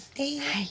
はい。